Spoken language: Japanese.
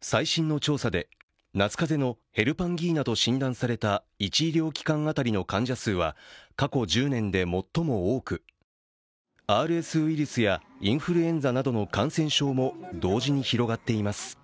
最新の調査で、夏かぜのヘルパンギーナと診断された１医療機関当たりの患者数は過去１０年で最も多くＲＳウイルスやインフルエンザなどの感染症も同時に広がっています。